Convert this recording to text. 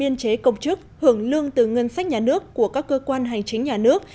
biên chế công chức hưởng lương từ ngân sách nhà nước của các cơ quan hành chính nhà nước